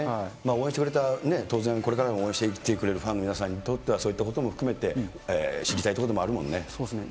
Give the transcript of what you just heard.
応援してくれた、当然、これからも応援してきてくれるファンの皆さんにとっては、そういったことも含めて、そうですね。